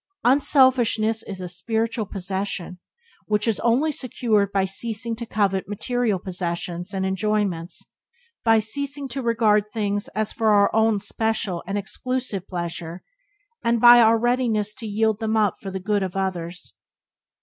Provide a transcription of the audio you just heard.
Unselfishness is a spiritual possession which is only secured by ceasing to covet material possessions and enjoyments, by ceasing to regard things as for our own special and exclusive pleasure, and by our readiness to yield them up for the good of others.